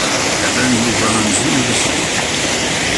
Rran Yuba amzun ulac-it.